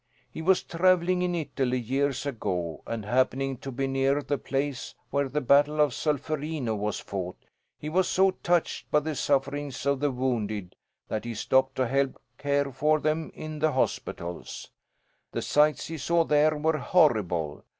He was travelling in Italy years ago, and happening to be near the place where the battle of Solferino was fought, he was so touched by the sufferings of the wounded that he stopped to help care for them in the hospitals. The sights he saw there were horrible.